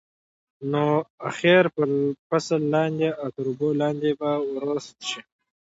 نو اخر به فصل لاندې او تر اوبو لاندې به وروست شي.